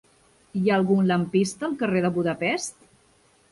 Hi ha algun lampista al carrer de Budapest?